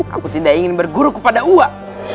aku tidak ingin berguru kepada uang